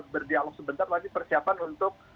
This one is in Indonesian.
berdialog sebentar lagi persiapan untuk